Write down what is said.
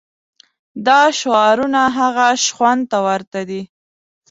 دا شعارونه هغه شخوند ته ورته دي.